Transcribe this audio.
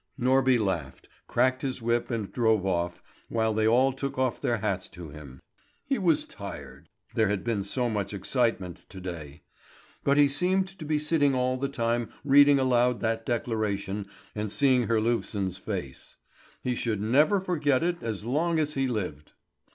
Norby laughed, cracked his whip and drove off, while they all took off their hats to him. He was tired. There had been so much excitement to day. But he seemed to be sitting all the time reading aloud that declaration and seeing Herlufsen's face. He should never forget it as long as he lived.